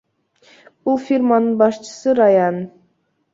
Бул фирманын башчысы Раян Ж.